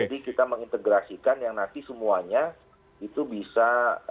jadi kita mengintegrasikan yang nanti semuanya itu bisa